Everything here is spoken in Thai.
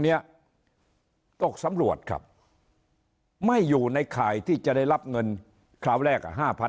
นี้ต้องสำรวจครับไม่อยู่ในข่ายที่จะได้รับเงินคราวแรก